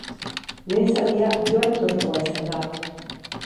Lehen zatia joan etorrikoa izan da.